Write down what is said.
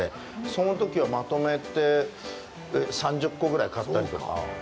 そのときはまとめて３０個ぐらい買ったりとか。